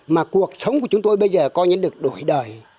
mà cuộc sống của chúng tôi bây giờ coi như được đổi đời